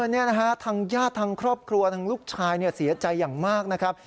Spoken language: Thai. นี่นะฮะทางญาติทางครอบครัวทางลูกชายเสียใจอย่างมากนะครับ